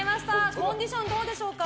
コンディションはどうでしょうか？